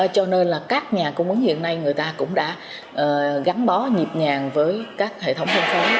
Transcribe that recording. cho nên là các nhà cung ứng hiện nay người ta cũng đã gắn bó nhịp nhàng với các hệ thống phân phối